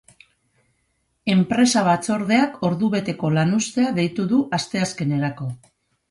Enpresa-batzordeak ordubeteko lanuztea deitu du asteazkenerako.